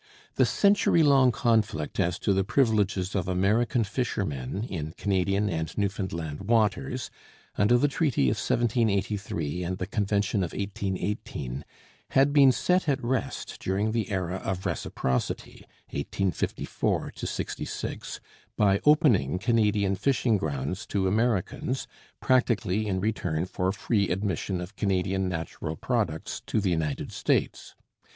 The century long conflict as to the privileges of American fishermen in Canadian and Newfoundland waters, under the Treaty of 1783 and the Convention of 1818, had been set at rest during the era of Reciprocity (1854 66) by opening Canadian fishing grounds to Americans, practically in return for free admission of Canadian natural products to the United States.